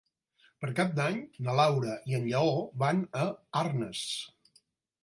Per Cap d'Any na Laura i en Lleó van a Arnes.